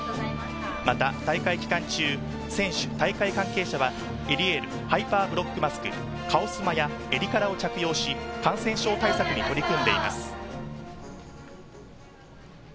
また大会期間中、選手、大会関係者はエリエールハイパーブロックマスク「かお・スマ」や「エリカラ」を着用し、感染症対策に取り組んでいます。